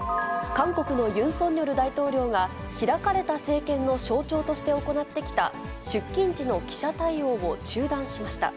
韓国のユン・ソンニョル大統領が、開かれた政権の象徴として行ってきた、出勤時の記者対応を中断しました。